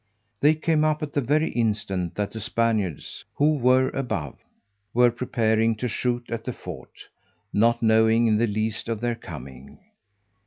They came up at the very instant that the Spaniards, who were above, were preparing to shoot at the fort, not knowing in the least of their coming.